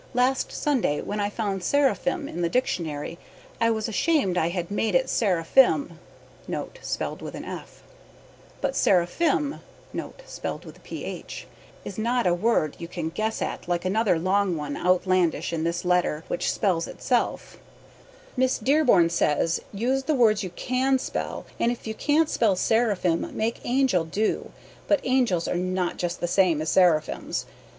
Last Sunday when I found seraphim in the dictionary I was ashamed I had made it serrafim but seraphim is not a word you can guess at like another long one outlandish in this letter which spells itself. Miss Dearborn says use the words you CAN spell and if you cant spell seraphim make angel do but angels are not just the same as seraphims.